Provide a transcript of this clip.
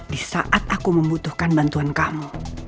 di saat aku membutuhkan bantuan kamu